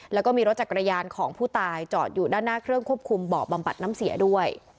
แล้วก็มีรถจักรยานของผู้ตายจอดอยู่ด้านหน้าเครื่องควบคุมบ่อบำบัดน้ำเสียด้วย